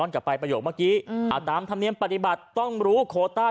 ก่อนโหวดนายกนี่ใช่หรือ